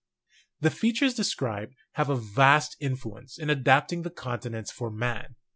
The features described have a vast influence in adapting the continents for Man.